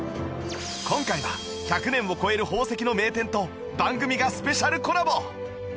今回は１００年を超える宝石の名店と番組がスペシャルコラボ！